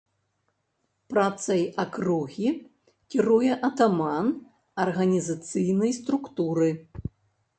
Працай акругі кіруе атаман арганізацыйнай структуры.